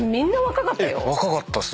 若かったっす。